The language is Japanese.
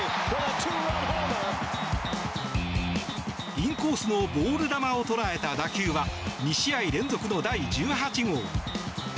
インコースのボール球を捉えた打球は２試合連続の第１８号。